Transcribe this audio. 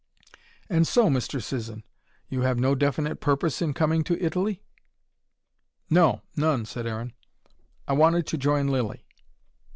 "And so, Mr. Sisson, you have no definite purpose in coming to Italy?" "No, none," said Aaron. "I wanted to join Lilly."